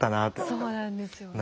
そうなんですよ。